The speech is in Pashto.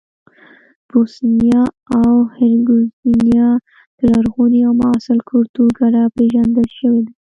بوسنیا او هرزګوینا د لرغوني او معاصر کلتور ګډه پېژندل شوې ده.